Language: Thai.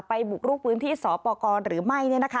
ไปบุกรุกพื้นที่สอปอกรณ์หรือไม่